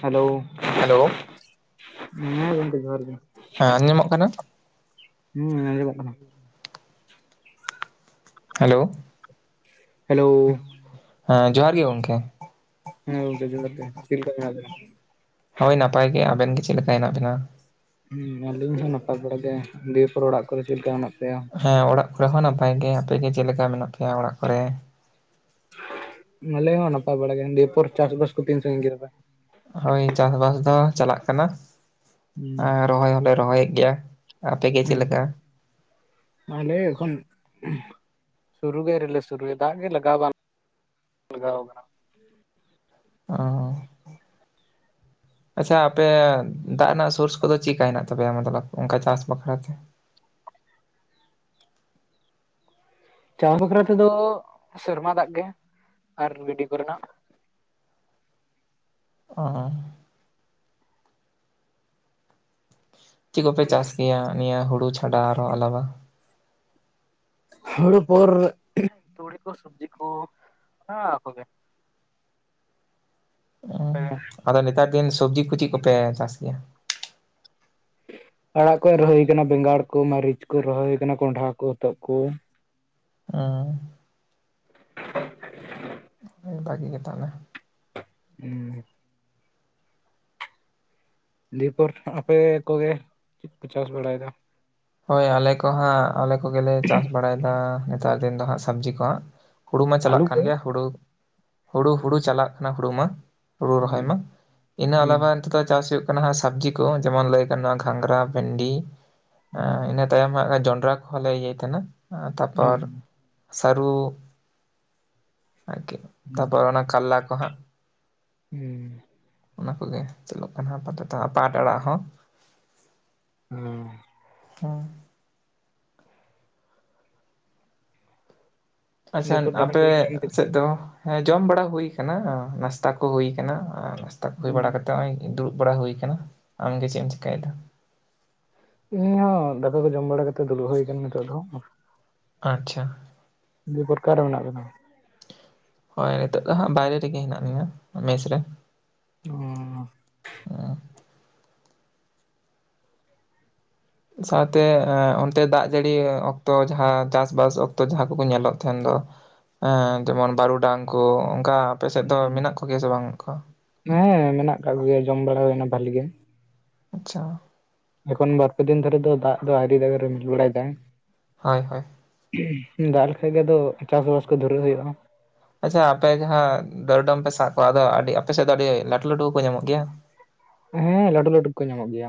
Hello hello ᱦᱮᱸ ᱜᱚᱢᱠᱮ ᱡᱚᱦᱟᱨ ᱜᱮ ᱦᱮᱸ ᱟᱸᱡᱚᱢᱚᱜ ᱠᱟᱱᱟ ᱦᱩᱸ ᱟᱸᱡᱚᱢᱚᱜ ᱠᱟᱱᱟ ᱦᱟᱞᱳ ᱦᱟᱞᱳᱳ ᱦᱮᱸ ᱡᱚᱦᱟᱨ ᱜᱮ ᱜᱚᱝᱠᱮ ᱦᱮᱸ ᱜᱚᱝᱠᱮ ᱡᱚᱦᱟᱨ ᱜᱮ ᱪᱮᱫ ᱞᱮᱠᱟ ᱢᱮᱱᱟᱜ ᱵᱤᱱᱟ ᱦᱳᱭ ᱱᱟᱯᱟᱭ ᱜᱮ ᱟᱵᱮᱱ ᱜᱮ ᱪᱮᱫ ᱞᱮᱠᱟ ᱦᱮᱱᱟᱜ ᱵᱤᱱᱟ ᱦᱮᱸ ᱟᱹᱞᱤᱧ ᱦᱚᱸ ᱱᱟᱯᱟᱭ ᱵᱟᱲᱟ ᱜᱮ, ᱫᱤᱭᱮ ᱯᱚᱨ ᱚᱲᱟᱜ ᱠᱚᱨᱮ ᱪᱮᱫ ᱞᱮᱠᱟ ᱢᱮᱱᱟᱜ ᱯᱮᱭᱟ? ᱦᱮᱸ ᱚᱲᱟᱜ ᱠᱚᱨᱮ ᱦᱚᱸ ᱱᱟᱯᱟᱭ ᱜᱮ ᱟᱯᱮ ᱜᱮ ᱪᱮᱫ ᱞᱮᱠᱟ ᱢᱮᱱᱟᱜ ᱯᱮᱭᱟ ᱚᱲᱟᱜ ᱠᱚᱨᱮ ᱟᱞᱮ ᱦᱚᱸ ᱱᱟᱯᱟᱭ ᱵᱟᱲᱟ ᱜᱮ, ᱫᱤᱭᱮ ᱯᱚᱨ ᱪᱟᱥ ᱵᱟᱥ ᱠᱚ ᱛᱤᱱ ᱥᱟᱸᱜᱤᱧ ᱠᱮᱫᱟ ᱯᱮ ᱦᱳᱭ ᱪᱟᱥᱵᱟᱥ ᱫᱚ ᱪᱟᱞᱟᱜ ᱠᱟᱱᱟ ᱟᱨ ᱦᱩᱸ ᱨᱚᱦᱚᱭ ᱦᱚᱞᱮ ᱨᱚᱦᱚᱭᱮᱜ ᱜᱮᱭᱟ ᱟᱯᱮ ᱜᱮ ᱪᱮ ᱞᱮᱠᱟ ᱟᱞᱮ ᱮᱠᱷᱚᱱ ᱥᱩᱨᱩ ᱜᱮ ᱟᱣᱨᱤ ᱞᱮ ᱥᱩᱨᱩᱭᱟ ᱫᱟᱜ ᱜᱮ ᱞᱟᱜᱟᱣ ᱵᱟᱝ ᱞᱟᱜᱟᱣ ᱠᱟᱱᱟ ᱚ ᱟᱪᱪᱷᱟ ᱟᱯᱮ ᱫᱟᱜ ᱨᱮᱱᱟᱜ ᱥᱳᱨᱥ ᱠᱚᱫᱚ ᱪᱮᱫᱠᱟ ᱦᱮᱱᱟᱜ ᱛᱟᱯᱮᱭᱟ ᱢᱚᱛᱞᱚᱵ ᱚᱱᱠᱟ ᱪᱟᱥ ᱵᱟᱠᱷᱨᱟᱛᱮ ᱪᱟᱥ ᱵᱟᱠᱷᱨᱟ ᱛᱮᱫᱚ ᱥᱮᱨᱢᱟ ᱫᱟᱜ ᱜᱮ ᱟᱨ ᱢᱤᱱᱤ [unintelligible] ᱠᱚᱨᱮᱱᱟᱜ ᱚ ᱦᱚ ᱪᱮᱫ ᱠᱚᱯᱮ ᱪᱟᱥ ᱜᱮᱭᱟ ᱱᱤᱭᱟᱹ ᱦᱩᱲᱩ ᱪᱷᱟᱰᱟ ᱟᱨᱦᱚ ᱟᱞᱟᱫᱟ? ᱦᱩᱲᱩ ᱯᱚᱨ ᱛᱩᱲᱤ ᱠᱚ ᱥᱚᱵᱡᱤ ᱠᱚ ᱚᱱᱟ [unintelligible] ᱠᱚᱜᱮ [inaudible] ᱟᱯᱮ ᱜᱮ? [unintelligible] ᱟᱫᱚ ᱱᱮᱛᱟᱨ ᱫᱤᱱ ᱥᱚᱵᱡᱤ ᱠᱚ ᱪᱤᱫ ᱠᱚᱯᱮ ᱪᱟᱥ ᱜᱮᱭᱟ ᱟᱲᱟᱜ ᱠᱚ ᱨᱚᱦᱚᱭ ᱠᱟᱱᱟ ᱵᱮᱸᱜᱟᱲ ᱠᱚ ᱢᱟᱹᱨᱤᱪ ᱠᱚ ᱨᱚᱦᱚᱭ ᱠᱟᱱᱟ ᱠᱚᱸᱰᱷᱟ ᱠᱚ ᱦᱚᱛᱚᱫ ᱠᱚ ᱟᱸ [inaudible] ᱫᱟᱜᱤᱜ [unintelligible] ᱜᱮ ᱛᱟᱦᱞᱮ [unintelligible] ᱩᱸ ᱫᱤᱯᱚᱨ ᱟᱯᱮ ᱠᱚᱜᱮ ᱪᱮᱫ ᱯᱮ ᱪᱟᱥ ᱵᱟᱲᱟᱭ ᱫᱟ ᱦᱳᱭ ᱟᱞᱮ ᱠᱚ ᱦᱟᱸᱜ ᱟᱞᱮ ᱠᱚᱜᱮᱞᱮ ᱪᱟᱥ ᱵᱟᱲᱟᱭᱫᱟ ᱱᱮᱛᱟᱨ ᱫᱤᱱ ᱫᱚ ᱦᱟᱸᱜ ᱥᱟᱵᱽᱡᱤ ᱠᱚ ᱦᱟᱸᱜ ᱦᱩᱲᱩ ᱢᱟ ᱪᱟᱞᱟᱜ ᱟᱞᱩ ᱠᱟᱱ ᱠᱚ ᱜᱮᱭᱟ ᱦᱩᱲᱩ, ᱦᱩᱲᱩ ᱦᱩᱲᱩ ᱪᱟᱞᱟᱜ ᱠᱟᱱᱟ ᱦᱩᱲᱩ ᱢᱟ ᱦᱩᱲᱩ ᱨᱚᱦᱚᱭ ᱢᱟ ᱦᱩᱸ ᱤᱱᱟᱹ ᱦᱩᱸ ᱟᱞᱟᱵᱟᱱ [inaudible] ᱪᱟᱥ ᱦᱩᱭᱩᱜ ᱠᱟᱱᱟ ᱦᱟᱸᱜ ᱥᱟᱵᱽᱡᱤ ᱠᱚ ᱡᱮᱢᱚᱱ ᱞᱟᱹᱭ ᱠᱟᱱ ᱱᱚᱣᱟ ᱜᱷᱟᱸᱜᱽᱨᱟ ᱵᱷᱮᱱᱰᱤ ᱮ ᱦᱩᱸ ᱤᱱᱟᱹ ᱛᱟᱭᱚᱢ ᱦᱟᱸᱜ ᱡᱚᱸᱰᱨᱟ ᱠᱚᱦᱚᱸ ᱞᱮ ᱤᱭᱟᱹᱭ ᱛᱟᱦᱮᱸᱱᱟ ᱛᱟᱨᱯᱚᱨ ᱥᱟᱹᱨᱩ ᱟᱨᱠᱤ [unintelligible] ᱛᱟᱨᱯᱚᱨ ᱚᱱᱟ ᱠᱟᱨᱞᱟ ᱠᱚ ᱦᱟᱸᱜ ᱦᱩᱸ ᱚᱱᱟ ᱠᱚᱜᱮ ᱪᱟᱹᱞᱩᱜ ᱠᱟᱱᱟ ᱟᱯᱟᱛᱚᱛᱚ ᱯᱟᱴ ᱟᱲᱟᱜ ᱦᱚᱸ ᱦᱩᱸ ᱩᱸ [inaudible] ᱟᱪᱪᱷᱟᱱ ᱫᱤᱭᱮᱯᱚᱨ ᱫᱟᱠᱟ ᱟᱯᱮ ᱠᱚᱵᱤᱱ ᱡᱚᱢ ᱠᱮᱫᱟ? ᱥᱮᱫ ᱛᱮ ᱦᱚᱸ ᱦᱮᱸ ᱡᱚᱢ ᱵᱟᱲᱟ ᱦᱩᱭ ᱠᱟᱱᱟ ᱱᱟᱥᱛᱟ ᱠᱚ ᱦᱩᱭ ᱠᱟᱱᱟ ᱟᱨ ᱱᱟᱥᱛᱟ ᱠᱚ ᱦᱩᱭ ᱵᱟᱲᱟ ᱠᱟᱛᱮ ᱱᱚᱜ ᱚᱭ ᱫᱩᱲᱩᱵ ᱵᱟᱲᱟ ᱦᱩᱭ ᱠᱟᱱᱟ ᱟᱢᱜᱮ ᱪᱮᱫ ᱮᱢ ᱪᱮᱠᱟᱭᱫᱟ ᱤᱧ ᱦᱚᱸ ᱫᱟᱠᱟ ᱠᱚ ᱡᱚᱢ ᱵᱟᱲᱟ ᱠᱟᱛᱮ ᱫᱩᱲᱩᱵ ᱦᱩᱭ ᱠᱟᱱᱟ ᱱᱤᱛᱚᱜ ᱫᱚ ᱟᱪᱪᱷᱟ ᱫᱤᱯᱚᱨ ᱚᱠᱟ ᱨᱮ ᱢᱮᱱᱟᱜ ᱵᱤᱱᱟ ᱦᱳᱭ ᱱᱤᱛᱚᱜ ᱫᱚ ᱦᱟᱸᱜ ᱵᱟᱭᱨᱮ ᱨᱮᱜᱮ ᱦᱮᱱᱟᱜ ᱞᱤᱧᱟ ᱢᱮᱥ ᱨᱮ [inaudible] ᱥᱟᱶᱛᱮ ᱮ [unintelligible] ᱚᱱᱛᱮ ᱫᱟᱜ ᱡᱟᱹᱲᱤ ᱚᱠᱛᱚ ᱡᱟᱦᱟᱸ ᱪᱟᱥᱵᱟᱥ ᱚᱠᱛᱚ ᱡᱟᱦᱟᱸ ᱠᱚᱠᱚ ᱧᱮᱞᱚᱜ ᱛᱟᱦᱮᱱ ᱫᱚ ᱮᱸ ᱡᱮᱢᱚᱱ ᱵᱟᱹᱨᱩᱰᱟᱝ ᱠᱚ ᱚᱱᱠᱟ ᱟᱯᱮ ᱥᱮᱫ ᱫᱚ ᱢᱮᱱᱟᱜ ᱠᱚᱜᱮᱭᱟ ᱥᱮ ᱵᱟᱹᱱᱩᱜ ᱠᱚᱣᱟ ᱦᱮᱸ ᱢᱮᱱᱟᱜ ᱠᱟᱜ ᱠᱚ ᱜᱮᱭᱟ ᱡᱚᱢ ᱵᱟᱲᱟ ᱦᱩᱭᱱᱟ ᱵᱟᱞᱤ ᱜᱮ ᱟᱪᱪᱷᱟ ᱮᱠᱷᱚᱱ ᱵᱟᱨ ᱯᱮ ᱫᱤᱱ ᱫᱷᱚᱨᱮ ᱫᱚ ᱫᱟᱜ ᱫᱚ ᱟᱹᱰᱤ ᱡᱟᱭᱜᱟ [unintelligible] ᱨᱮ ᱨᱤᱢᱤᱞ ᱵᱟᱲᱟᱭᱫᱟᱭ ᱦᱳᱭ ᱦᱳᱭ ᱫᱟᱜ ᱞᱮᱠᱷᱟᱡ ᱜᱮ ᱟᱫᱚ ᱪᱟᱥ ᱵᱟᱥ ᱠᱚ ᱫᱷᱩᱨᱟᱣ ᱦᱩᱭᱩᱜᱼᱟ ᱟᱪᱪᱷᱟ ᱟᱯᱮ ᱡᱟᱦᱟᱸ ᱫᱚᱨᱰᱚᱢ ᱯᱮ ᱥᱟᱵ ᱠᱚᱣᱟ ᱟᱫᱚ ᱟᱹᱰᱤ ᱟᱯᱮ ᱥᱮᱫ ᱫᱚ ᱟᱹᱰᱤ ᱞᱟᱹᱴᱩ ᱞᱟᱹᱴᱩ ᱠᱚ ᱧᱟᱢᱚᱜ ᱜᱮᱭᱟ ᱦᱮᱸ ᱞᱟᱹᱴᱩ ᱞᱟᱹᱴᱩ ᱠᱚ ᱧᱟᱢᱚᱜ ᱜᱮᱭᱟ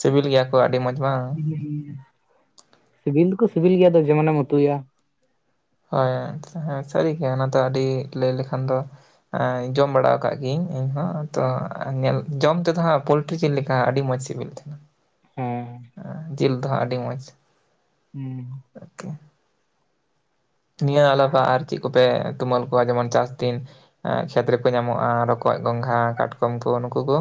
ᱥᱤᱵᱤᱞ ᱜᱮᱭᱟ ᱠᱚ ᱟᱹᱰᱤ ᱢᱚᱸᱡᱽ ᱵᱟᱝ ᱥᱤᱵᱤᱞ ᱫᱚᱠᱚ ᱥᱤᱵᱤᱞ ᱜᱮᱭᱟ ᱟᱫᱚ ᱡᱮᱢᱚᱱᱮᱢ ᱩᱛᱩᱭᱟ ᱦᱳᱭ ᱟᱪᱪᱷᱟ ᱦᱮᱸ ᱥᱟᱹᱨᱤ ᱜᱮᱭᱟ ᱚᱱᱟ ᱫᱚ ᱟᱹᱰᱤ ᱞᱟᱹᱭ ᱞᱮᱠᱷᱟᱱ ᱫᱚ ᱡᱚᱢ ᱵᱟᱲᱟ ᱟᱠᱟᱫ ᱜᱤᱭᱟᱹᱧ ᱤᱧᱦᱚᱸ ᱛᱚ ᱧᱮᱞ ᱡᱚᱢ ᱛᱮᱫᱚ ᱦᱟᱸᱜ ᱯᱳᱞᱴᱨᱤ ᱡᱤᱞ ᱞᱮᱠᱟ ᱟᱹᱰᱤ ᱢᱚᱸᱡᱽ ᱥᱤᱵᱤᱞ ᱛᱟᱦᱮᱱᱟ ᱦᱮᱸ ᱡᱤᱞ ᱫᱚᱦᱟᱸᱜ ᱟᱹᱰᱤ ᱢᱚᱡᱽ ᱦᱩᱸ ᱟᱨᱠᱤ ᱱᱤᱭᱟᱹ ᱟᱞᱟᱯ ᱟᱨ ᱪᱮᱫ ᱠᱚᱯᱮ ᱛᱩᱢᱟᱹᱞ ᱠᱚᱣᱟ ᱡᱮᱢᱚᱱ ᱪᱟᱥ ᱫᱤᱱ ᱠᱷᱮᱛ ᱨᱮᱠᱚ ᱧᱟᱢᱚᱜᱼᱟ ᱨᱚᱠᱚᱡ ᱜᱚᱝᱜᱷᱟ ᱠᱟᱴᱠᱚᱢ ᱠᱚ ᱱᱩᱠᱩ ᱠᱚ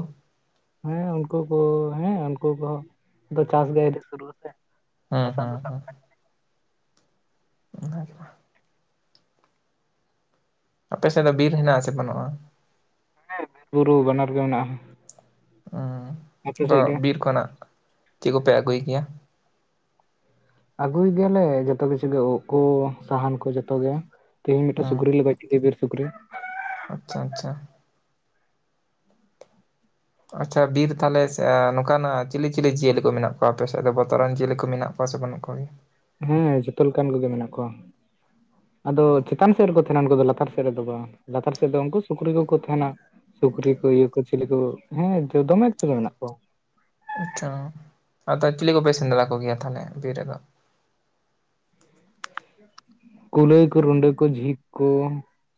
ᱦᱮᱸ ᱩᱱᱠᱩ ᱠᱚ ᱦᱮᱸ ᱩᱱᱠᱩ ᱠᱚᱦᱚᱸ ᱪᱟᱥ ᱜᱮ ᱥᱩᱨᱩᱜ ᱟᱥᱮ ᱦᱩᱸ ᱦᱟᱥᱟ ᱫᱚ ᱦᱩᱸ ᱥᱟᱵ ᱦᱩᱸ ᱠᱟᱜ ᱚᱱᱟ ᱜᱮ [unintelligible] ᱟᱯᱮ ᱥᱮᱫ ᱫᱚ ᱵᱤᱨ ᱦᱮᱱᱟᱜ ᱟᱥᱮ ᱵᱟᱹᱱᱩᱜᱼᱟ ᱦᱮᱸ ᱵᱩᱨᱩ ᱵᱟᱱᱟᱨ ᱜᱮ ᱢᱮᱱᱟᱜᱼᱟ ᱟᱯᱮ ᱦᱩᱸ ᱟᱫᱚ ᱥᱮᱫ ᱜᱮ ᱵᱤᱨ ᱠᱷᱚᱱᱟᱜ ᱪᱮᱫ ᱠᱚᱯᱮ ᱟᱹᱜᱩᱭ ᱜᱮᱭᱟ ᱟᱹᱜᱩᱭ ᱜᱮᱭᱟᱞᱮ ᱡᱚᱛᱚ ᱠᱤᱪᱷᱩ ᱩᱵ ᱠᱚ ᱥᱟᱦᱟᱱ ᱠᱚ ᱡᱚᱛᱚ ᱜᱮ ᱛᱮᱦᱤᱧ ᱢᱤᱫᱴᱮᱡ ᱦᱩᱸ ᱥᱩᱠᱨᱤᱞᱮ ᱜᱚᱡ ᱵᱤᱨ ᱥᱩᱠᱨᱤ ᱟᱪᱪᱷᱟ ᱟᱪᱪᱷᱟ ᱟᱪᱪᱷᱟ ᱵᱤᱨ ᱛᱟᱦᱚᱞᱮ ᱱᱚᱝᱠᱟᱱᱟᱜ ᱪᱤᱞᱤ ᱪᱤᱞᱤ ᱡᱤᱭᱟᱹᱞᱤ ᱠᱚ ᱢᱮᱱᱟᱜ ᱠᱚᱣᱟ ᱟᱯᱮ ᱥᱮᱫ ᱫᱚ ᱵᱚᱛᱚᱨᱟᱱ ᱡᱤᱭᱟᱹᱞᱤ ᱠᱚ ᱢᱮᱱᱟᱜ ᱠᱚᱣᱟ ᱥᱮ ᱵᱟᱹᱱᱩᱜ ᱠᱚᱣᱟ ᱦᱮᱸ ᱡᱚᱛᱚ ᱞᱮᱠᱟᱱ ᱠᱚᱜᱮ ᱢᱮᱱᱟᱜ ᱠᱚᱣᱟ ᱟᱫᱚ ᱪᱮᱛᱟᱱ ᱥᱮᱫ ᱨᱮᱠᱚ ᱛᱟᱦᱮᱱᱟ ᱩᱱᱠᱩ ᱫᱚ ᱞᱟᱛᱟᱨ ᱥᱮᱫ ᱨᱮᱫᱚ ᱵᱟᱝ ᱞᱟᱛᱟᱨ ᱥᱮᱫ ᱫᱚ ᱩᱱᱠᱩ ᱥᱩᱠᱨᱤ ᱠᱚᱠᱚ ᱛᱟᱦᱮᱱᱟ ᱥᱩᱠᱨᱤ ᱠᱚ ᱤᱭᱟᱹ ᱠᱚ ᱪᱤᱞᱤ ᱠᱚ ᱦᱮᱸ ᱫᱚᱢᱮ ᱠᱤᱪᱷᱩ ᱜᱮ ᱢᱮᱱᱟᱜ ᱠᱚᱣᱟ ᱟᱪᱪᱷᱟ ᱟᱫᱚ ᱪᱤᱞᱤ ᱠᱚᱯᱮ ᱥᱮᱱᱫᱽᱨᱟ ᱠᱚ ᱜᱮᱭᱟ ᱛᱟᱦᱚᱞᱮ ᱵᱤᱨ ᱨᱮᱫᱚ ᱠᱩᱞᱟᱹᱭ ᱠᱚ ᱨᱩᱸᱰᱟᱹ ᱠᱚ ᱡᱷᱤᱠ ᱠᱚ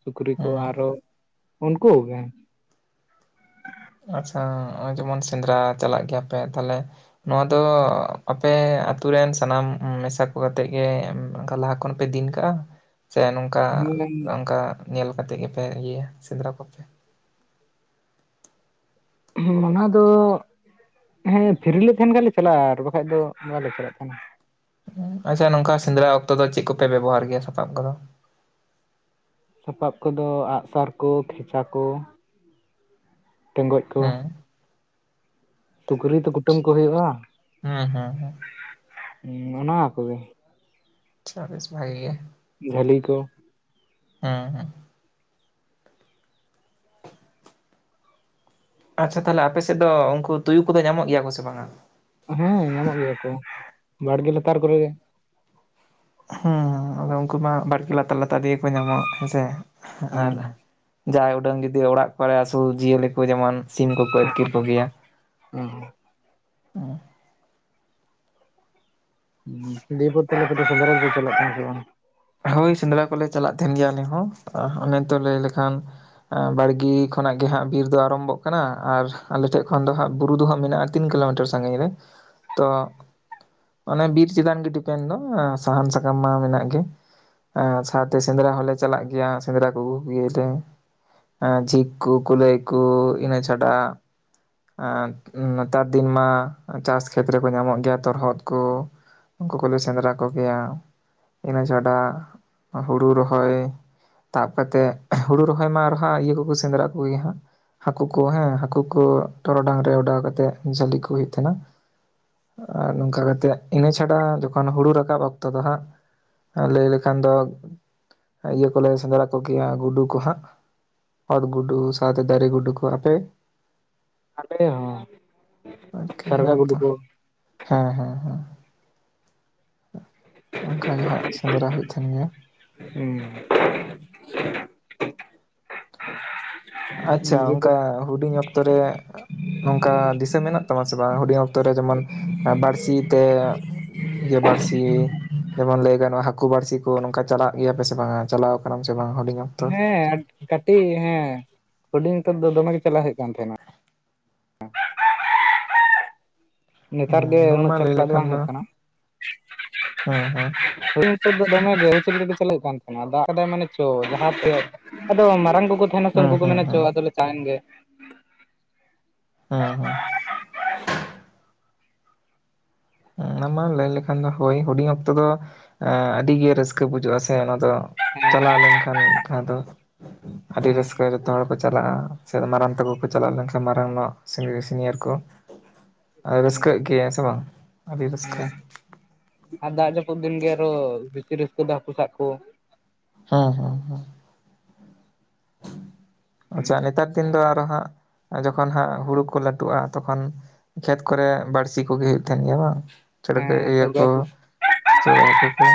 ᱥᱩᱠᱨᱤ ᱠᱚ ᱦᱩᱸ ᱟᱨᱦᱚ ᱩᱱᱠᱩ ᱠᱩ ᱜᱮ ᱟᱪᱪᱷᱟ ᱱᱚᱜ ᱚᱭ ᱡᱮᱢᱚᱱ ᱥᱮᱸᱫᱽᱨᱟ ᱪᱟᱞᱟᱜ ᱜᱮᱭᱟ ᱯᱮ ᱛᱟᱦᱞᱮ ᱱᱚᱣᱟ ᱫᱚ ᱟᱯᱮ ᱟᱛᱩ ᱨᱮᱱ ᱥᱟᱱᱟᱢ ᱢᱮᱥᱟ ᱠᱚ ᱠᱟᱛᱮᱫ ᱜᱮ ᱠᱟ ᱞᱟᱦᱟ ᱠᱷᱚᱱ ᱯᱮ ᱫᱤᱱ ᱠᱟᱜᱼᱟ ᱥᱮ ᱱᱚᱝᱠᱟ ᱚᱱᱠᱟ ᱧᱮᱞ ᱠᱟᱛᱮ ᱜᱮᱯᱮ ᱤᱭᱟᱹ ᱥᱮᱸᱫᱽᱨᱟ ᱠᱚᱯᱮ ᱦᱩᱸ ᱚᱱᱟ ᱫᱚ ᱦᱮᱸ ᱯᱷᱤᱨᱤᱞ ᱞᱮ ᱛᱟᱦᱮᱱ ᱠᱷᱟᱱ ᱞᱮ ᱪᱟᱞᱟᱜᱼᱟ ᱟᱨ ᱵᱟᱠᱷᱟᱡ ᱫᱚ ᱵᱟᱞᱮ ᱪᱟᱞᱟᱜ ᱠᱟᱱᱟ ᱟᱪᱪᱷᱟ ᱱᱚᱝᱠᱟ ᱥᱮᱸᱫᱽᱨᱟ ᱚᱠᱛᱚ ᱫᱚ ᱪᱮᱫ ᱠᱚᱯᱮ ᱵᱮᱵᱚᱦᱟᱨ ᱜᱮᱭᱟ ᱥᱟᱯᱟᱵ ᱠᱚᱫᱚ ᱥᱟᱯᱟᱵ ᱠᱚᱫᱚ ᱟᱜᱼᱥᱟᱨ ᱠᱚ ᱠᱷᱮᱪᱟ ᱠᱚ ᱴᱮᱸᱜᱚᱡ ᱠᱚ ᱦᱩᱸ ᱥᱩᱠᱨᱤ ᱛᱚ ᱠᱩᱴᱟᱹᱢ ᱠᱚ ᱦᱩᱭᱩᱜᱼᱟ ᱦᱩᱸ ᱦᱩᱸ ᱦᱩᱸ ᱦᱩᱸ ᱚᱱᱟ ᱚᱱᱟ ᱠᱚᱜᱮ ᱪᱟᱵᱤᱥ ᱵᱷᱟᱜ ᱜᱮᱭᱟ ᱡᱷᱟᱹᱞᱤ ᱠᱚ ᱦᱩᱸ ᱦᱩᱸ ᱟᱪᱪᱷᱟ ᱛᱟᱦᱚᱞᱮ ᱟᱯᱮ ᱥᱮᱫ ᱫᱚ ᱩᱱᱠᱩ ᱛᱩᱭᱩ ᱠᱚᱫᱚ ᱧᱟᱢᱚᱜ ᱜᱮᱭᱟ ᱠᱚ ᱥᱮ ᱵᱟᱝᱟ ᱦᱮᱸ ᱧᱟᱢᱚᱜ ᱜᱮᱭᱟ ᱠᱚ ᱵᱟᱲᱜᱮ ᱞᱟᱛᱟᱨ ᱠᱚᱨᱮ ᱜᱮ ᱦᱮᱸ ᱟᱫᱚ ᱩᱱᱠᱩ ᱢᱟ ᱵᱟᱲᱜᱮ ᱞᱟᱛᱟᱨ ᱞᱟᱛᱟᱨ ᱛᱮᱜᱮ ᱠᱚ ᱧᱟᱢᱚᱜᱼᱟ ᱦᱮᱸᱥᱮ ᱟᱨ ᱦᱮᱸ ᱡᱟᱦᱟᱸᱭ ᱩᱰᱟᱹᱝ ᱡᱩᱫᱤ ᱚᱲᱟᱜ ᱠᱚᱨᱮ ᱟᱹᱥᱩᱞ ᱡᱤᱭᱟᱹᱞᱤ ᱠᱚ ᱡᱮᱢᱚᱱ ᱥᱤᱢ ᱠᱚᱠᱚ ᱟ ᱟᱹᱛᱠᱤᱨ ᱦᱮᱸ ᱠᱚᱜᱮᱭᱟ᱾ [inaudible] ᱫᱤᱭᱯᱩᱨ ᱛᱟᱞᱮ ᱥᱮᱱᱫᱽᱨᱟ ᱜᱮ ᱪᱟᱞᱟᱜ ᱠᱟᱱᱟ ᱥᱮ ᱵᱟᱝ ᱦᱳᱭ ᱥᱮᱸᱫᱽᱨᱟ ᱠᱚᱞᱮ ᱪᱟᱞᱟᱜ ᱛᱟᱦᱮᱱ ᱜᱮᱭᱟ ᱟᱞᱮ ᱦᱚᱸ ᱚᱱᱮ ᱛᱚ ᱞᱟᱹᱭ ᱞᱮᱠᱷᱟᱱ ᱵᱟᱲᱜᱮ ᱠᱷᱚᱱᱟᱜ ᱜᱮ ᱦᱟᱸᱜ ᱵᱤᱨ ᱫᱚ ᱟᱨᱚᱢᱵᱷᱚᱜ ᱠᱟᱱᱟ ᱟᱨ ᱟᱞᱮᱴᱷᱮᱡ ᱠᱷᱚᱱ ᱫᱚ ᱦᱟᱸᱜ ᱵᱩᱨᱩ ᱫᱚ ᱦᱟᱸᱜ ᱢᱮᱱᱟᱜᱼᱟ ᱛᱤᱱ ᱠᱤᱞᱳᱢᱤᱴᱟᱨ ᱥᱟᱜᱤᱧ ᱨᱮ ᱛᱚ ᱚᱱᱮ ᱵᱤᱨ ᱪᱮᱛᱟᱱ ᱜᱮ ᱰᱤᱯᱮᱱ ᱫᱚ ᱥᱟᱦᱟᱱ ᱥᱟᱠᱟᱢ ᱢᱟ ᱢᱮᱱᱟᱜ ᱜᱮ ᱟᱨ ᱥᱟᱶᱛᱮ ᱥᱮᱸᱫᱽᱨᱟ ᱦᱚᱞᱮ ᱪᱟᱞᱟᱜ ᱜᱮᱭᱟ ᱥᱮᱸᱫᱽᱨᱟ ᱠᱚ ᱟᱹᱜᱩ ᱠᱚ ᱜᱮᱭᱟᱞᱮ ᱡᱷᱤᱠ ᱠᱚ ᱠᱩᱞᱟᱹᱭ ᱠᱚ ᱤᱱᱟᱹ ᱪᱷᱟᱰᱟ ᱮ ᱱᱮᱛᱟᱨ ᱫᱤᱱ ᱢᱟ ᱪᱟᱥ ᱠᱷᱮᱛ ᱨᱮᱠᱚ ᱧᱟᱢᱚᱜ ᱜᱮᱭᱟ ᱛᱚᱨᱦᱚᱫ ᱠᱚ ᱩᱱᱠᱩ ᱠᱚᱞᱮ ᱥᱮᱸᱫᱽᱨᱟ ᱠᱚᱜᱮᱭᱟ ᱤᱱᱟᱹ ᱪᱷᱟᱰᱟ ᱦᱩᱲᱩ ᱨᱚᱦᱚᱭ ᱛᱟᱵ ᱠᱟᱛᱮᱫ ᱦᱩᱲᱩ ᱨᱚᱦᱚᱭ ᱢᱟ ᱟᱨᱦᱟᱸ ᱤᱭᱟᱹ ᱠᱚᱠᱚ ᱥᱮᱸᱫᱽᱨᱟ ᱠᱚᱜᱮ ᱦᱟᱸᱜ ᱦᱟᱹᱠᱩ ᱠᱚ ᱦᱮᱸ ᱦᱟᱹᱠᱩ ᱠᱚ ᱴᱚᱨᱚᱰᱟᱝ ᱨᱮ ᱚᱰᱟᱣ ᱠᱟᱛᱮᱫ ᱡᱷᱟᱹᱞᱤ ᱠᱚ ᱦᱩᱭᱩᱜ ᱛᱟᱦᱮᱱᱟ ᱟᱨ ᱱᱚᱝᱠᱟ ᱠᱟᱛᱮᱫ ᱤᱱᱟᱹ ᱪᱷᱟᱰᱟ ᱡᱚᱠᱷᱚᱱ ᱦᱩᱲᱩ ᱨᱟᱠᱟᱵ ᱚᱠᱛᱚ ᱫᱚ ᱦᱟᱸᱜ ᱟᱨ ᱞᱟᱹᱭ ᱞᱮᱠᱷᱟᱱ ᱫᱚ ᱤᱭᱟᱹ ᱠᱚᱞᱮ ᱥᱮᱸᱫᱽᱨᱟ ᱠᱚᱜᱮᱭᱟ ᱜᱩᱰᱩ ᱠᱚ ᱦᱟᱸᱜ ᱚᱫ ᱜᱩᱰᱩ ᱥᱟᱶᱛᱮ ᱫᱟᱨᱮ ᱜᱩᱰᱩ ᱠᱚ ᱟᱯᱮ ᱟᱞᱮ ᱦᱚᱸ ᱟᱨᱠᱤ ᱥᱟᱨᱜᱟ ᱜᱩᱰᱩ ᱦᱮᱸᱛᱚ ᱠᱚ ᱦᱮᱸ ᱦᱮᱸ ᱦᱮᱸ ᱚᱱᱠᱟ ᱜᱮ ᱦᱟᱸᱜ ᱥᱮᱸᱫᱽᱨᱟ ᱦᱩᱭᱩᱜ [unintelligible] ᱩᱸ [inaudible] ᱟᱪᱪᱷᱟ ᱚᱱᱠᱟ ᱦᱩᱰᱤᱧ ᱚᱠᱛᱚ ᱨᱮ ᱱᱚᱝᱠᱟ ᱫᱤᱥᱟᱹ ᱢᱮᱱᱟᱜ ᱛᱟᱢᱟ ᱥᱮ ᱵᱟᱝ ᱦᱩᱰᱤᱧ ᱚᱠᱛᱚ ᱨᱮ ᱡᱮᱢᱚᱱ ᱵᱟᱹᱲᱥᱤ ᱛᱮ ᱤᱭᱟᱹ ᱵᱟᱲᱥᱤ ᱡᱮᱢᱚᱱ ᱞᱟᱹᱭ ᱜᱟᱱᱚᱜᱼᱟ ᱦᱟᱹᱠᱩ ᱵᱟᱹᱲᱥᱤ ᱠᱚ ᱱᱚᱝᱠᱟ ᱪᱟᱞᱟᱜ ᱜᱮᱭᱟᱯᱮ ᱥᱮ ᱵᱟᱝᱟ ᱪᱟᱞᱟᱣ ᱟᱠᱟᱱᱟᱢ ᱥᱮ ᱵᱟᱝᱟ? ᱦᱩᱰᱤᱧ ᱚᱠᱛᱚ ᱦᱮᱸ ᱠᱟᱹᱴᱤᱡ ᱦᱮᱸ ᱦᱩᱰᱤᱧ ᱚᱠᱛᱚ ᱫᱚ ᱫᱚᱢᱮ ᱜᱮ ᱪᱟᱞᱞᱟᱣ ᱦᱩᱭᱩᱜ ᱠᱟᱱ ᱛᱟᱦᱮᱸᱱᱟ ᱾ ᱱᱮᱛᱟᱨ ᱜᱮ ᱦᱮᱸ ᱱᱚᱣᱟ ᱩᱱᱟᱹᱜ ᱢᱟ ᱞᱟᱹᱭ ᱪᱟᱞᱟᱜ ᱫᱚ ᱞᱮᱠᱷᱟᱱ ᱵᱟᱝ ᱦᱩᱭᱩᱜ ᱠᱟᱱᱟ ᱦᱮᱸ ᱾ ᱦᱮᱸ [unintelligible] ᱫᱚᱢᱮ ᱜᱮ [unintelligible] ᱪᱟᱞᱟᱜ ᱠᱟᱱ ᱛᱟᱦᱮᱱᱟ ᱫᱟᱜ ᱠᱟᱫᱟᱭ ᱢᱟᱱᱮ ᱪᱚ ᱡᱟᱦᱟᱸ [unintelligible] ᱟᱫᱚ ᱢᱟᱨᱟᱝ ᱠᱚᱠᱚ ᱛᱟᱦᱮᱱᱟ ᱥᱮ ᱦᱮᱸ ᱩᱱᱠᱩ ᱠᱚ ᱦᱮᱸ ᱢᱮᱱᱟ ᱪᱚ ᱦᱮᱸ ᱟᱫᱚᱞᱮ ᱪᱟ ᱮᱱ ᱜᱮ ᱾ ᱦᱩᱸ ᱚᱱᱟ ᱢᱟ ᱞᱟᱹᱭ ᱞᱮᱠᱷᱟᱱ ᱫᱚ ᱦᱳᱭ ᱦᱩᱰᱤᱧ ᱚᱠᱛᱚ ᱫᱚ ᱟᱹᱰᱤᱜᱮ ᱨᱟᱹᱥᱠᱟᱹ ᱵᱩᱡᱷᱟᱹᱜᱼᱟ ᱥᱮ ᱚᱱᱟ ᱫᱚ ᱾ ᱪᱟᱞᱟᱣ ᱞᱮᱱᱠᱷᱟᱱ ᱡᱟᱦᱟᱸ ᱫᱚ ᱟᱹᱰᱤ ᱦᱮᱸ ᱨᱟᱹᱥᱠᱟᱹ ᱡᱚᱛᱚ ᱦᱚᱲ ᱠᱚ ᱪᱟᱞᱟᱜᱼᱟ ᱾ ᱥᱮ ᱢᱟᱨᱟᱝ ᱛᱮᱠᱚ ᱠᱚ ᱪᱟᱞᱟᱜ ᱞᱮᱱ ᱠᱷᱟᱱ ᱢᱟᱨᱟᱝ ᱱᱚᱜ ᱥᱤᱱ ᱥᱤᱱᱤᱭᱟᱨ ᱠᱚ ᱾ ᱨᱟᱹᱥᱠᱟᱹᱜ ᱜᱮ ᱥᱮ ᱵᱟᱝ ᱟᱹᱰᱤ ᱨᱟᱹᱥᱠᱟᱹ ᱦᱮᱸ ᱾ ᱟᱨ ᱫᱟᱜ ᱡᱟᱹᱯᱩᱫ ᱫᱤᱱ ᱜᱮ ᱟᱨᱚ ᱵᱮᱥᱤ ᱨᱟᱹᱥᱠᱟᱹ ᱫᱚ ᱦᱟᱹᱠᱩ ᱥᱟᱵ ᱠᱚ ᱾ ᱦᱩᱸ ᱦᱩᱸ ᱾ ᱟᱪᱪᱷᱟ ᱱᱮᱛᱟᱨ ᱫᱤᱱ ᱫᱚ ᱟᱨᱚ ᱦᱟᱸᱜ ᱡᱚᱠᱷᱚᱱ ᱦᱟᱸᱜ ᱦᱩᱲᱩ ᱠᱚ ᱞᱟᱹᱴᱩᱜᱼᱟ ᱛᱚᱠᱷᱚᱱ ᱠᱷᱮᱛ ᱠᱚᱨᱮ ᱵᱟᱹᱲᱥᱤ ᱠᱚᱜᱮ ᱦᱩᱭᱩᱜ ᱛᱟᱦᱮᱱ ᱜᱮᱭᱟ ᱵᱟᱝ? ᱦᱮᱸ ᱪᱟᱹᱲᱠᱟ ᱤᱭᱟᱹ ᱪᱚᱲᱜᱚᱡ ᱠᱚ ᱦᱟᱹᱠᱩ ᱪᱚᱲᱜᱚᱡ ᱦᱟᱠᱩ ᱠᱚ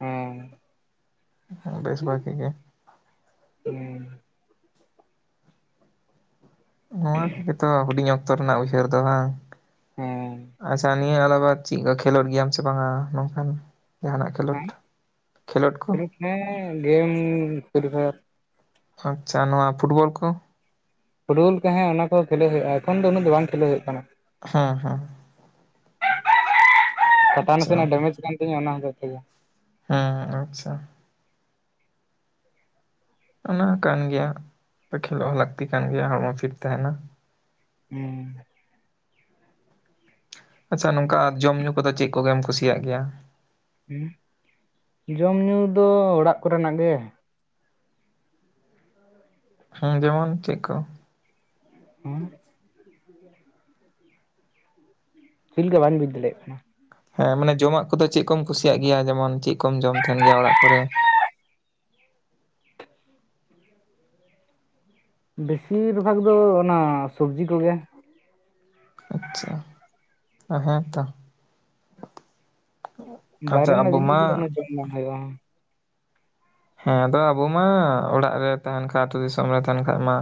ᱦᱮᱸ ᱾ ᱵᱮᱥ ᱵᱷᱟᱹᱜᱤ ᱜᱮ ᱾ ᱦᱩᱸ ᱱᱚᱣᱟ ᱠᱚᱜᱮ ᱛᱚ ᱦᱩᱰᱤᱧ ᱚᱠᱛᱚ ᱨᱮᱱᱟᱜ ᱩᱭᱦᱟᱹᱨ ᱫᱚ ᱦᱟᱝ, ᱦᱮᱸ ᱟᱪᱪᱷᱟ ᱱᱤᱭᱟᱹ ᱟᱞᱟᱵᱟ ᱪᱮᱫ ᱠᱚ ᱠᱷᱮᱞᱳᱰ ᱜᱮᱭᱟᱢ ᱥᱮ ᱵᱟᱝᱟ ᱱᱚᱝᱠᱟᱱ? ᱡᱟᱦᱟᱱᱟᱜ ᱠᱷᱮᱞᱳᱰ ᱦᱮᱸ ᱠᱷᱮᱞᱳᱰ ᱠᱚ? ᱦᱮᱸ ᱜᱮᱢ ᱯᱷᱤᱨᱤ ᱯᱷᱟᱭᱟᱨ ᱾ ᱟᱪᱪᱷᱟ ᱱᱚᱣᱟ ᱯᱷᱩᱴᱵᱚᱞ ᱠᱚ? ᱯᱷᱩᱴᱵᱚᱞ ᱠᱚ ᱦᱮᱸ ᱚᱱᱟ ᱠᱚ ᱠᱷᱮᱞᱳ ᱦᱩᱭᱩᱜᱼᱟ ᱮᱠᱷᱚᱱ ᱫᱚ ᱩᱱᱟᱹᱜ ᱫᱚ ᱵᱟᱝ ᱠᱷᱮᱞᱳ ᱦᱩᱭᱩᱜ ᱠᱟᱱᱟ᱾ ᱦᱮᱸ ᱦᱮᱸ ᱾ [inaudible] ᱠᱟᱴᱟ ᱟᱪᱪᱷᱟ ᱱᱟᱥᱮᱱᱟᱜ ᱰᱮᱢᱮᱡᱽ ᱠᱟᱱ ᱛᱤᱧᱟᱹ ᱚᱱᱟ ᱦᱚᱛᱮ ᱛᱮᱜᱮ ᱾ ᱦᱩᱸ ᱟᱪᱪᱷᱟ ᱾ ᱚᱱᱟ ᱠᱟᱱ ᱜᱮᱭᱟ, ᱠᱷᱮᱞᱳᱜ ᱦᱚᱸ ᱞᱟᱹᱠᱛᱤ ᱠᱟᱱ ᱜᱮᱭᱟ ᱦᱚᱲᱢᱚ ᱯᱷᱤᱴ ᱛᱟᱦᱮᱱᱟ ᱾ ᱦᱩᱸ ᱾ ᱟᱪᱪᱷᱟ ᱱᱚᱝᱠᱟ ᱡᱚᱢ ᱧᱩ ᱠᱚᱫᱚ ᱪᱮᱫ ᱠᱚᱜᱮᱢ ᱠᱩᱥᱤᱭᱟᱜ ᱜᱮᱭᱟ? ᱦᱩᱸ, ᱡᱚᱢ ᱧᱩ ᱫᱚ ᱚᱲᱟᱜ ᱠᱚᱨᱮᱱᱟᱜ ᱜᱮ ᱾ ᱦᱮᱸ ᱡᱮᱢᱚᱱ ᱪᱮᱜ ᱠᱩ? ᱦᱩᱸ ᱪᱤ ᱞᱮᱠᱟ ᱵᱟᱹᱧ ᱵᱩᱡ ᱫᱟᱲᱮᱭᱟᱜ ᱠᱟᱱᱟ ᱾ ᱦᱮᱸ ᱢᱟᱱᱮ ᱡᱚᱢᱟᱜ ᱠᱚᱫᱚ ᱪᱮᱫ ᱠᱚᱢ ᱠᱩᱥᱤᱭᱟᱜ ᱜᱮᱭᱟ ᱡᱮᱢᱚᱱ ᱪᱮᱫ ᱠᱚᱢ ᱡᱚᱢ ᱛᱟᱦᱮᱱ ᱜᱮᱭᱟ ᱚᱲᱟᱜ ᱠᱚᱨᱮ? ᱵᱮᱥᱤᱨ ᱵᱷᱟᱜ ᱫᱚ ᱚᱱᱟ ᱥᱚᱵᱡᱤ ᱠᱚᱜᱮ ᱾ ᱟᱪᱪᱷᱟ, ᱚ ᱦᱮᱸ ᱛᱚ ᱾ ᱵᱟᱭᱨᱮ ᱟᱪᱪᱷᱟ ᱨᱮᱱᱟᱜ ᱟᱵᱚ ᱡᱤᱱᱤᱥ ᱢᱟ ᱫᱚ ᱩᱱᱟᱹᱜ ᱡᱚᱢ ᱵᱟᱝ ᱦᱩᱭᱩᱜᱼᱟ ᱾ ᱦᱮᱸ ᱟᱫᱚ ᱟᱵᱚ ᱢᱟ ᱚᱲᱟᱜ ᱨᱮ ᱛᱟᱦᱮᱱ ᱠᱷᱟᱱ ᱟᱹᱛᱩ ᱫᱤᱥᱚᱢ ᱨᱮ ᱛᱟᱦᱮᱱ ᱠᱷᱟᱱ ᱢᱟ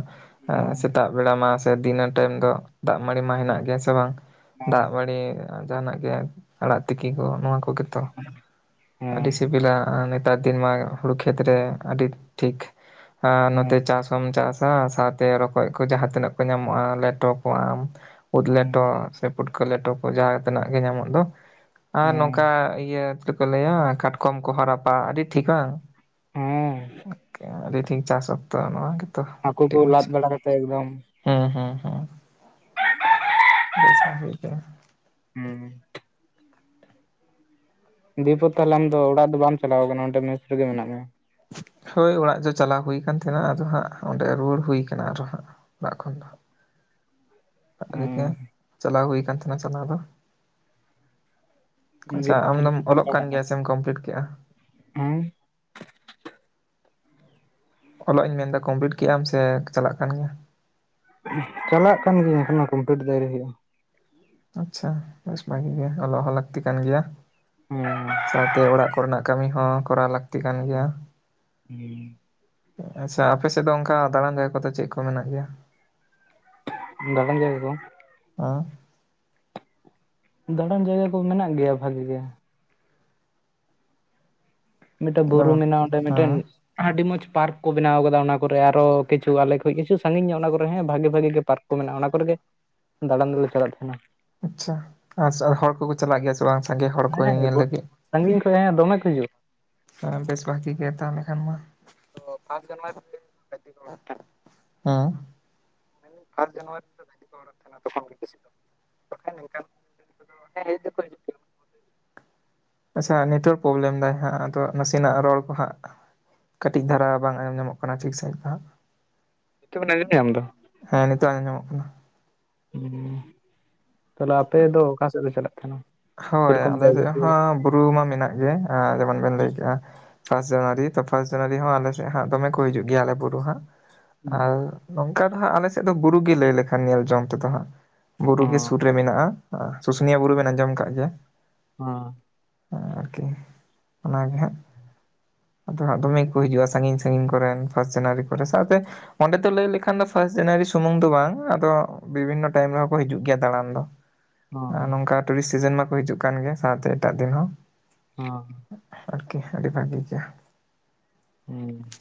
ᱦᱮᱸ ᱥᱮᱛᱟᱜ ᱵᱮᱲᱟ ᱢᱟ ᱥᱮ ᱫᱤᱱᱟᱹ ᱴᱟᱭᱤᱢ ᱫᱚ ᱫᱟᱜ ᱢᱟᱹᱲᱤ ᱢᱟ ᱦᱮᱱᱟᱜ ᱜᱮᱭᱟ ᱥᱮ ᱵᱟᱝ ᱦᱮᱸ ᱫᱟᱜ ᱢᱟᱹᱲᱤ ᱡᱟᱦᱟᱸᱱᱟᱜ ᱜᱮ ᱟᱲᱟᱜ ᱛᱤᱠᱤ ᱠᱚ, ᱱᱚᱣᱟ ᱠᱚᱜᱮ ᱛᱚ ᱟᱹᱰᱤ ᱦᱮᱸ ᱥᱤᱵᱤᱞᱟ ᱾ ᱱᱮᱛᱟᱨ ᱫᱤᱱ ᱢᱟ ᱦᱩᱲᱩ ᱠᱷᱮᱛ ᱨᱮ ᱟᱹᱰᱤ ᱴᱷᱤᱠ ᱟᱸ ᱱᱚᱛᱮ ᱪᱟᱥ ᱠᱚᱢ ᱪᱟᱥᱟ ᱥᱟᱶᱛᱮ ᱨᱚᱠᱚᱡ ᱠᱚ ᱡᱟᱦᱟᱸ ᱛᱤᱱᱟᱹᱜ ᱠᱚ ᱧᱟᱢᱚᱜᱼᱟ ᱞᱮᱴᱚ ᱠᱚᱜᱣᱟᱢ ᱾ ᱩᱫ ᱦᱮᱸ ᱞᱮᱴᱚ ᱥᱮ ᱯᱩᱴᱠᱟᱹ ᱞᱮᱴᱚ ᱠᱚ ᱡᱟᱦᱟᱸ ᱛᱤᱱᱟᱜ ᱜᱮ ᱧᱟᱢᱚᱜ ᱫᱚ ᱟᱨ ᱦᱮᱸ ᱱᱚᱝᱠᱟ ᱤᱭᱟᱹ ᱪᱮᱫ ᱠᱚ ᱞᱟᱹᱭᱟ ᱠᱟᱴᱠᱚᱢ ᱠᱚ ᱦᱚᱸ ᱨᱟᱯᱟ ᱟᱹᱰᱤ ᱴᱷᱤᱠ-ᱟ ᱦᱮᱸ [unintelligible] ᱟᱹᱰᱤ ᱴᱷᱤᱠ ᱪᱟᱥ ᱚᱠᱛᱚ ᱱᱚᱣᱟ ᱜᱮᱛᱚ ᱦᱟᱹᱠᱩ ᱟᱹᱰᱤ ᱠᱚ ᱢᱚᱡ ᱞᱟᱫ ᱵᱟᱲᱟ ᱠᱟᱛᱮ ᱮᱠᱫᱚᱢ ᱦᱮᱸ ᱦᱮᱸ ᱦᱮᱸ ᱵᱮᱥ ᱵᱷᱟᱜᱮ ᱜᱮ ᱦᱩᱸ ᱫᱤᱯᱩ ᱛᱟᱦᱞᱮ ᱟᱢ ᱫᱚ ᱚᱲᱟᱜ ᱫᱚ ᱵᱟᱢ ᱪᱟᱞᱟᱣ ᱟᱠᱟᱱᱟ ᱚᱸᱰᱮ ᱢᱮᱥ ᱨᱮᱜᱮ ᱢᱮᱱᱟᱜ ᱢᱮᱭᱟ ᱦᱳᱭ ᱚᱲᱟᱜ ᱪᱚ ᱪᱟᱞᱟᱣ ᱦᱩᱭᱩ ᱟᱠᱟᱱ ᱛᱟᱦᱮᱱᱟ ᱟᱫᱚ ᱦᱟᱸᱜ ᱚᱸᱰᱮ ᱨᱩᱣᱟᱹᱲ ᱦᱩᱭᱠᱟᱱᱟ ᱟᱨᱚ ᱦᱟᱸᱜ ᱚᱲᱟᱜ ᱠᱷᱚᱱ ᱫᱚ ᱦᱮᱸ [unintelligible] ᱪᱟᱞᱟᱣ ᱦᱩᱭ ᱠᱟᱱ ᱛᱟᱦᱮᱱᱟ ᱪᱟᱞᱟᱣ ᱫᱚ ᱫᱤᱭᱮ ᱟᱪᱪᱷᱟ ᱛᱟᱦᱚᱞᱮ ᱟᱢᱫᱚᱢ ᱪᱮᱫᱛᱮᱢ ᱚᱞᱚᱜ ᱠᱟᱱ ᱜᱮᱭᱟ ᱥᱮᱢ ᱠᱚᱢᱯᱤᱞᱤᱴ ᱠᱮᱜ-ᱟ ᱦᱩᱸ ᱚᱞᱚᱜ ᱤᱧ ᱢᱮᱱᱫᱟ ᱠᱚᱢᱯᱞᱤᱴ ᱠᱮᱜ-ᱟᱢ ᱥᱮ ᱪᱟᱞᱟᱜ ᱠᱟᱱ ᱜᱮᱭᱟ ᱪᱟᱞᱟᱜ ᱠᱟᱱ ᱜᱮᱭᱟ ᱮᱠᱷᱚᱱᱚ ᱠᱚᱢᱯᱞᱤᱴ ᱫᱚ ᱟ. ᱣᱨᱤ ᱦᱩᱭᱩᱜᱼᱟ ᱟᱪᱪᱷᱟ ᱵᱮᱥ ᱵᱷᱟᱜᱤ ᱜᱮ ᱚᱞᱚᱜ ᱦᱚᱸ ᱞᱟᱹᱠᱛᱤ ᱠᱟᱱ ᱜᱮᱭᱟ ᱦᱮᱸ ᱥᱟᱶᱛᱮ ᱚᱲᱟᱜ ᱠᱚᱨᱮᱱᱟᱜ ᱠᱟᱹᱢᱤ ᱦᱚᱸ ᱠᱚᱨᱟᱣ ᱞᱟᱹᱠᱛᱤ ᱠᱟᱱ ᱜᱮᱭᱟ ᱦᱮᱸ ᱟᱪᱪᱷᱟ ᱟᱯᱮ ᱥᱮᱫ ᱫᱚ ᱚᱱᱠᱟ ᱫᱟᱲᱟᱱ ᱡᱟᱭᱜᱟ ᱠᱚ ᱫᱚ ᱪᱮᱫ ᱠᱚ ᱢᱮᱱᱟᱜ ᱜᱮᱭᱟ ᱫᱟᱲᱟᱱ ᱡᱟᱭᱜᱟ ᱠᱚ ᱦᱚᱸ ᱫᱟᱲᱟᱱ ᱡᱟᱭᱜᱟ ᱫᱚ ᱢᱮᱱᱟᱜ ᱜᱮᱭᱟ ᱵᱷᱟᱜᱤ ᱜᱮ ᱢᱤᱫᱴᱮᱱ ᱵᱩᱨᱩ ᱡᱮᱢᱚᱱ ᱢᱮᱱᱟᱜᱼᱟ ᱚᱸᱰᱮ ᱢᱤᱫᱴᱮᱱ ᱦᱮᱸ ᱟᱹᱰᱤ ᱢᱚᱸᱡᱽ ᱯᱟᱨᱠ ᱠᱚ ᱵᱮᱱᱟᱣ ᱟᱠᱟᱫᱟ ᱚᱱᱟ ᱠᱚᱨᱮ ᱟᱨᱦᱚᱸ ᱠᱤᱪᱷᱩ ᱟᱞᱮ ᱠᱷᱚᱡ ᱠᱤᱪᱷᱩ ᱥᱟᱺᱜᱤᱧ ᱧᱚᱜ ᱚᱱᱟ ᱠᱚᱨᱮᱸ ᱵᱷᱟᱜᱤ ᱵᱷᱟᱜᱤ ᱜᱮ ᱯᱟᱨᱠ ᱠᱚ ᱢᱮᱱᱟᱜᱼᱟ ᱚᱱᱟ ᱠᱚᱨᱮ ᱜᱮ ᱫᱟᱲᱟᱱ ᱫᱚ ᱞᱮ ᱪᱟᱞᱟᱜ ᱛᱟᱦᱮᱱᱟ ᱟᱪᱪᱷᱟ, ᱟᱨᱪᱷᱟ ᱦᱚᱲ ᱠᱚᱠᱚ ᱪᱟᱞᱟᱜ ᱜᱮᱭᱟ ᱥᱮ ᱛᱚ ᱣᱟᱝ ᱥᱟᱝᱜᱮ ᱦᱚᱲ ᱠᱚ ᱜᱮ ᱧᱮᱞ ᱦᱮᱸ ᱧᱮᱞ ᱜᱚᱴ ᱞᱟᱜᱤ ᱥᱟᱺᱜᱤᱧ ᱠᱷᱚᱡ ᱦᱮᱸ ᱫᱚᱢᱮ ᱠᱚ ᱦᱤᱡᱩᱜᱼᱟ ᱚ, ᱵᱮᱥ ᱵᱷᱟᱜᱤ ᱜᱮ ᱛᱟᱦᱚᱞᱮ ᱠᱷᱟᱱ ᱢᱟ ᱛᱚ ᱯᱷᱟᱥ ᱡᱟᱱᱣᱨᱤ ᱨᱮ ᱟᱭᱢᱟ ᱜᱟᱫᱮ ᱦᱚᱲ ᱠᱚ ᱦᱮᱸ ᱢᱮᱱ ᱤᱫᱤᱧ ᱯᱷᱟᱥ ᱡᱟᱱᱣᱟᱨᱤ ᱨᱮ ᱫᱚ ᱵᱷᱟᱜᱮ... ᱡᱷᱚᱛᱚ ᱦᱚᱲ ᱮ ᱛᱟᱦᱮᱱᱟ ᱛᱚᱠᱷᱚᱱ ᱜᱮ ᱠᱚ [unintelligible] ᱵᱟᱱᱠᱷᱟᱱ ᱱᱚᱱᱠᱟᱱ ᱫᱤᱱ ᱨᱮ ᱫᱚ ᱦᱮᱡ ᱫᱚ ᱠᱚ ᱦᱤᱡᱩᱜ ᱜᱤᱭᱟ ᱟᱪᱪᱷᱟ ᱱᱮᱴᱚᱣᱟᱨᱠ ᱯᱨᱚᱵᱞᱮᱢ ᱮᱫᱟᱭ ᱦᱟᱸᱜ ᱟᱫᱚ ᱱᱟᱥᱮᱱᱟᱜ ᱨᱚᱲ ᱠᱚ ᱦᱟᱸᱜ ᱠᱟᱹᱴᱤᱡ ᱫᱷᱟᱨᱟ ᱵᱟᱝ ᱟᱸᱡᱚᱢ ᱧᱟᱢᱚᱜ ᱠᱟᱱᱟ ᱴᱷᱤᱠ ᱥᱟᱭᱤᱡ ᱫᱚ ᱦᱟᱸᱜ ᱱᱤᱛᱚᱜ ᱢᱮᱱᱟᱜ ᱜᱤ ᱴᱮᱢ ᱫᱚ ᱦᱮᱸ ᱱᱤᱛᱚᱜ ᱟᱸᱡᱟᱢ ᱢᱚᱜ ᱠᱟᱱᱟ ᱦᱩᱸ ᱛᱟᱦᱞᱮ ᱟᱯᱮ ᱫᱚ ᱚᱠᱟ ᱥᱮᱫ ᱯᱮ ᱪᱟᱞᱟᱜ ᱛᱟᱦᱮᱱᱟ ᱦᱳᱭ ᱥᱮᱨᱚᱠᱚᱢ ᱟᱞᱮ ᱡᱟᱭᱜᱟ ᱥᱮᱫ ᱠᱚ ᱦᱚᱸ ᱵᱩᱨᱩ ᱢᱟ ᱢᱮᱱᱟᱜ ᱜᱮᱭᱟ ᱡᱮᱢᱚᱱ ᱵᱮᱱ ᱞᱟᱹᱭ ᱠᱮᱜᱼᱟ ᱯᱷᱟᱥ ᱡᱟᱱᱩᱣᱟᱨᱤ ᱛᱚ ᱯᱷᱟᱥ ᱡᱟᱱᱩᱣᱟᱨᱤ ᱦᱚᱸ ᱟᱞᱮ ᱥᱮ ᱦᱟᱸᱜ ᱫᱚᱢᱮ ᱠᱚ ᱦᱤᱡᱩᱜ ᱜᱮᱭᱟ ᱟᱞᱮ ᱵᱩᱨᱩ ᱦᱟᱸᱜ ᱟᱨ ᱱᱚᱝᱠᱟ ᱫᱚ ᱦᱟᱸᱜ ᱟᱞᱮ ᱥᱮᱫ ᱫᱚ ᱵᱩᱨᱩ ᱜᱮ ᱞᱟᱹᱭ ᱞᱮᱠᱷᱟᱱ ᱧᱮᱞ ᱡᱚᱝ ᱛᱮᱫᱚ ᱦᱟᱸᱜ ᱵᱩᱨᱩ ᱜᱮ ᱦᱚᱸ ᱥᱩᱨ ᱨᱮ ᱢᱮᱱᱟᱜᱼᱟ ᱥᱩᱥᱩᱱᱤᱭᱟ ᱵᱩᱨᱩ ᱵᱮᱱ ᱟᱸᱡᱚᱢ ᱟᱠᱟᱜ ᱜᱮᱭᱟ? ᱦᱮᱸ᱾ ᱟᱨᱠᱤ ᱚᱱᱟᱜᱮ ᱦᱟᱸᱜ᱾ ᱟᱫᱚ ᱦᱟᱜ ᱫᱚᱢᱮ ᱜᱮ ᱠᱚ ᱦᱤᱡᱩᱜᱼᱟ ᱥᱟᱸᱜᱤᱧ ᱥᱟᱸᱜᱤᱧ ᱠᱚᱨᱮᱱ ᱯᱷᱟᱥ ᱡᱟᱱᱩᱣᱟᱨᱤ ᱠᱚᱨᱮ ᱥᱟᱶᱛᱮ᱾ ᱚᱸᱰᱮ ᱫᱚ ᱞᱟᱹᱭ ᱞᱮᱠᱷᱟᱱ ᱫᱚ ᱯᱷᱟᱥ ᱡᱟᱱᱩᱣᱟᱨᱤ ᱥᱩᱢᱩᱝ ᱫᱚ ᱵᱟᱝ ᱟᱫᱚ᱾ ᱵᱤᱵᱷᱤᱱᱚ ᱴᱟᱭᱤᱢ ᱨᱮᱦᱚᱸ ᱠᱚ ᱦᱤᱡᱩᱜ ᱜᱮᱭᱟ ᱫᱟᱲᱟᱱ ᱫᱚ᱾ ᱟᱨ ᱦᱚᱸ ᱱᱚᱝᱠᱟ ᱴᱩᱨᱤᱥ ᱥᱤᱡᱮᱱ ᱢᱟᱠᱚ ᱦᱤᱡᱩᱜ ᱠᱟᱱ ᱜᱮ ᱥᱟᱶᱛᱮ ᱮᱴᱟᱜ ᱫᱤᱱ ᱦᱚᱸ᱾ ᱦᱚᱸ᱾ ᱟᱨᱠᱤ ᱟᱹᱰᱤ ᱵᱷᱟᱜᱤ ᱜᱮᱭᱟ᱾ ᱦᱩᱸ...